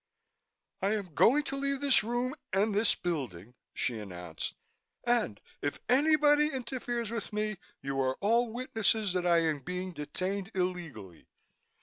"I am going to leave this room and this building," she announced. "And if anybody interferes with me, you are all witnesses that I am being detained illegally.